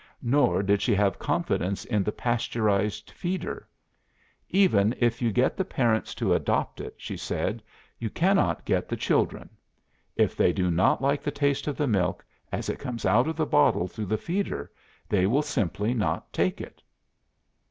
Nor did she have confidence in the Pasteurised Feeder. 'Even if you get the parents to adopt it,' she said, 'you cannot get the children. If they do not like the taste of the milk as it comes out of the bottle through the Feeder, they will simply not take it.